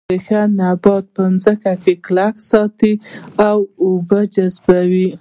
ریښې نبات په ځمکه کې کلک ساتي او اوبه جذبوي